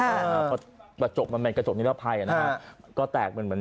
เพราะกระจกมันเป็นกระจกนิรภัยนะฮะก็แตกมันเหมือน